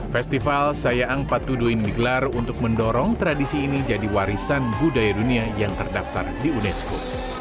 festival saya angpatudo ini digelar untuk mendorong tradisi ini jadi warisan budaya dunia yang terdaftar di unesco